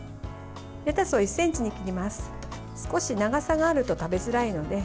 レタスを１ｃｍに切ります。